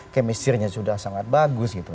kemisirnya sudah sangat bagus gitu